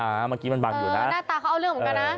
เมื่อกี้มันบังอยู่นะหน้าตาเขาเอาเรื่องเหมือนกันนะ